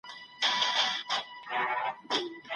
په لاس لیکل د فکرونو ترمنځ تار غځوي.